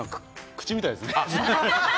口みたいですね。